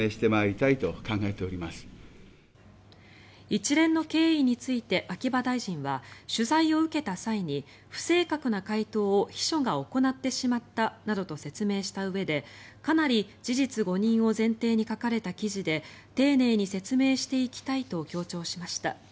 一連の経緯について秋葉大臣は取材を受けた際に不正確な回答を秘書が行ってしまったなどと説明したうえでかなり事実誤認を前提に書かれた記事で丁寧に説明していきたいと強調しました。